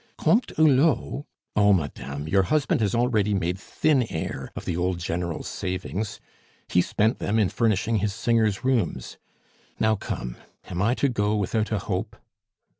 "Comte Hulot " "Oh, madame, your husband has already made thin air of the old General's savings. He spent them in furnishing his singer's rooms. Now, come; am I to go without a hope?"